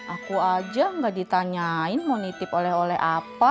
aku aja gak ditanyain mau nitip oleh oleh apa